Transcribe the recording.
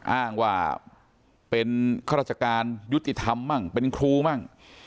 อ้างว่าเป็นข้าราชการยุติธรรมมั่งเป็นครูมั่ง